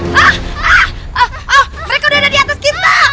mereka udah ada di atas kita